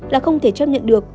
là không thể chấp nhận được